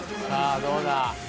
さあどうだ。